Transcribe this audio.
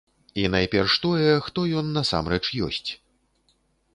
І найперш тое, хто ён насамрэч ёсць.